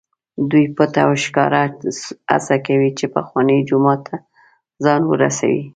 دوی پټ او ښکاره هڅه کوي چې پخواني جومات ته ځان ورسوي.